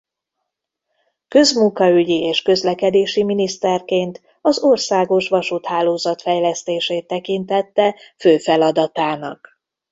Közmunkaügyi és közlekedési miniszterként az országos vasúthálózat fejlesztését tekintette fő feladatának.